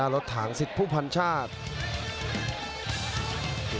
รถถังสิทธิ์ผู้พันชาติ